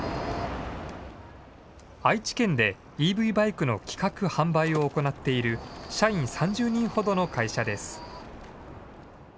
愛知県で、ＥＶバイクの企画・販売を行っている、社員３０人ほどの会社です。